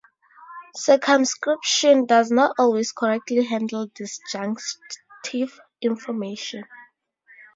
Circumscription does not always correctly handle disjunctive information.